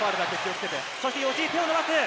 そして吉井、手を伸ばす。